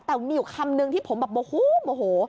แต่มีอยู่คำนึงที่ผมแบบโมโหโมโห